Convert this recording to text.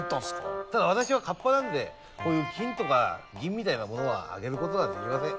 ただ私はカッパなんでこういう金とか銀みたいなものはあげることはできません。